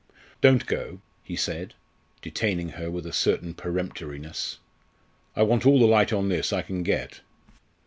"Don't go," he said, detaining her with a certain peremptoriness. "I want all the light on this I can get.